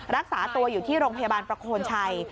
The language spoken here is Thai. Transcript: รักษาตัวอยู่ที่โรงพยาบาลประโคนชัย